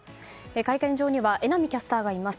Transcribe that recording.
会見場には榎並キャスターがいます。